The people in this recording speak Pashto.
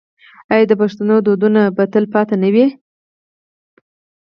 آیا د پښتنو دودونه به تل پاتې نه وي؟